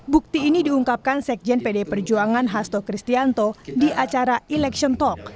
bukti ini diungkapkan sekjen pdi perjuangan hasto kristianto di acara election talk